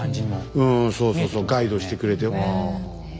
うんそうそうそうガイドしてくれて。